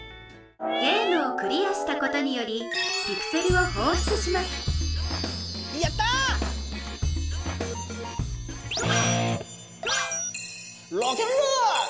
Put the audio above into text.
ゲームをクリアしたことによりピクセルを放出しますやった！ロケンロール！